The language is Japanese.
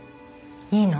いいの？